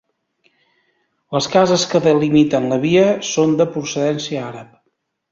Les cases que delimiten la via són de procedència àrab.